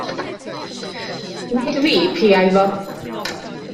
Nid fi piau fo.